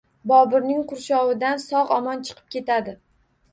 Boburning qurshovdan sog‘-omon chiqib ketadi.